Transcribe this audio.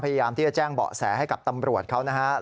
พยายามที่จะแจ้งเบาะแสให้กับตำรวจเขานะครับ